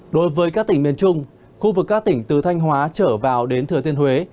đối với các tỉnh miền trung khu vực các tỉnh từ thanh hóa trở vào đến thừa thiên huế